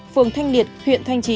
phường thanh liệt huyện thanh trì